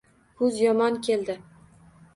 Kuz yomon keldi.